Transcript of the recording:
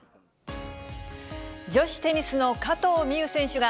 女子テニスの加藤未唯選手が、